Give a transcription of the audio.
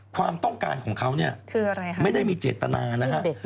ความต้องการของเขาเนี่ยคืออะไรคะไม่ได้มีเจตนานะฮะ